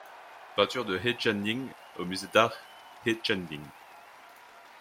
Peintures de He Xiangning au Musée d'art He Xiangning, -